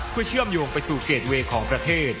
เพื่อเชื่อมโยงไปสู่เกรดเวย์ของประเทศ